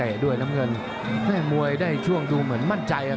แต่ด้วยน้ำเงินได้มวยได้ช่วงดูเหมือนมั่นใจ